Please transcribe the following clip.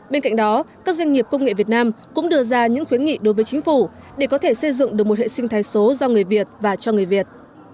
bên cạnh đó các doanh nghiệp công nghệ việt nam cũng đưa ra những khuyến nghị đối với chính phủ để có thể xây dựng được một hệ sinh thái số do người việt và cho người việt